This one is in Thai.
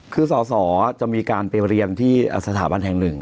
คือสอสอจะมีการไปเรียนที่สถาบันแห่งหนึ่ง